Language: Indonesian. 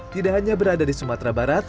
tidak hanya berada di sumatera barat